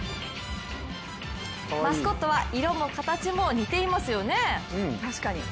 マスコットは色も形も似ていますよね。